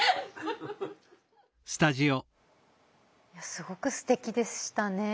すごくすてきでしたね。